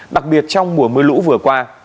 đặc biệt trong mùa mưa lũ vừa qua